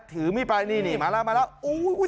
ถือมิไปหนีมาแล้วมาแล้วโอ้ยอุ้ย